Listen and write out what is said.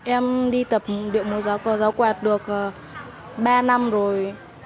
em đi tập địa múa giáo cờ giáo quạt được ba năm rồi